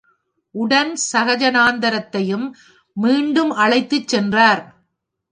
உடன் சகஜானந்தரையும் மீண்டும் அழைத்துச் சென்றார்.